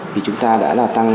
thì chúng ta đã tăng một mươi năm